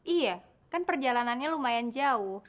iya kan perjalanannya lumayan jauh